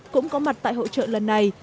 cũng có mặt tại hội trợ lần này